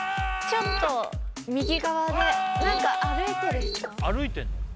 ちょっと右側で何か歩いてる人歩いてんの？